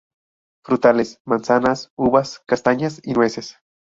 Frutales, manzanas, uvas, castañas y nueces.